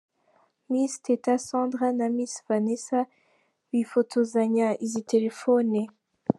Miss Teta Sandra na Miss Vanessa bifotozanya izi telefone.